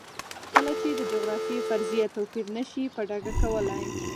کله چې د جغرافیې فرضیه توپیر نه شي په ډاګه کولی.